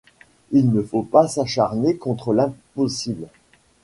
Il ne faut pas s’acharner contre l’impossible !